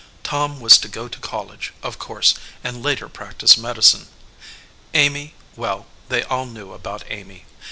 Tom was to go to college, of course, and later practise medicine. Amy well, they all knew about Amy.